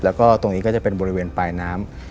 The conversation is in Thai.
แล้วก็ตรงนี้ก็จะเป็นบริเวณปลายน้ำ